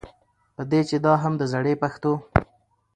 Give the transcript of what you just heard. په دې چې دا هم د زړې پښتو